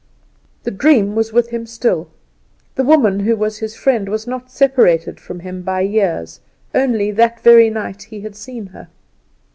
The dream was with him still; the woman who was his friend was not separated from him by years only that very night he had seen her.